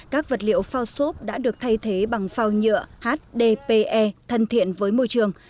các vật liệu phao xốp đã được thay thế bằng phao nhựa hdpe thân thiện với môi trường